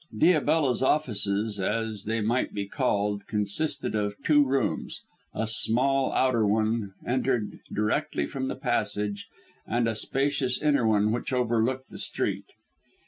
Diabella's offices, as they might be called, consisted of two rooms: a small outer one entered directly from the passage, and a spacious inner one which overlooked the street.